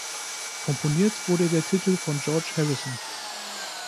Komponiert wurde der Titel von George Harrison.